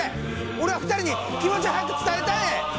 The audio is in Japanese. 俺は２人に気持ちを早く伝えたいねん！